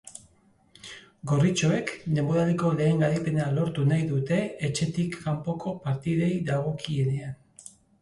Gorritxoek denboraldiko lehen garaipena lortu nahi dute etxetik kanpoko partidei dagokienean.